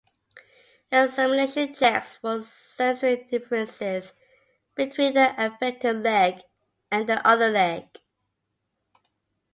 Examination checks for sensory differences between the affected leg and the other leg.